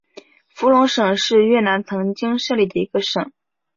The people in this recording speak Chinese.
福隆省是越南曾经设立的一个省。